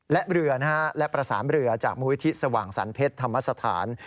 และเรือและประสานเรือจากมูลิธิสว่างสรรเพชรธรรมสถาน